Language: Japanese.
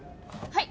はい？